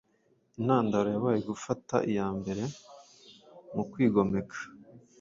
intandaro yabaye gufata iya mbere mukwigomeka